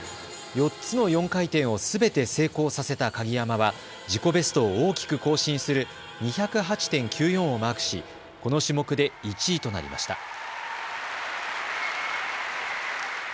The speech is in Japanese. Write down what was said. ４つの４回転をすべて成功させた鍵山は自己ベストを大きく更新する２０８．９４をマークしこの種目で１位となりました。